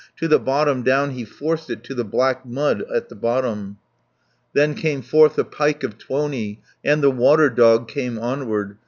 220 To the bottom down he forced it, To the black mud at the bottom. Then came forth the pike of Tuoni, And the water dog came onward.